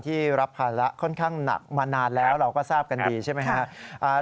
รับภาระค่อนข้างหนักมานานแล้วเราก็ทราบกันดีใช่ไหมครับ